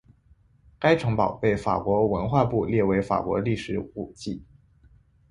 该城堡被法国文化部列为法国历史古迹。